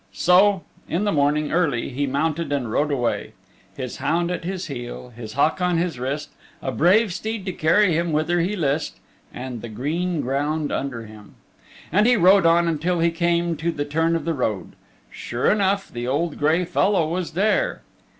So, in the morning early he mounted and rode away His hound at his heel, His hawk on his wrist; A brave steed to carry him whither he list, And the green ground under him, and he rode on until he came to the turn in the road. Sure enough the old gray fellow was there.